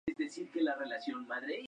Fork Ltd.